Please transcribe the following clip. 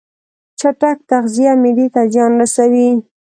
چټک تغذیه معدې ته زیان رسوي.